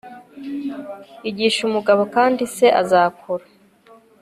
igisha umugabo, kandi se azakura